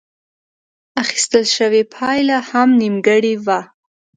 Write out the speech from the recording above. اخيستل شوې پايله هم نيمګړې وه.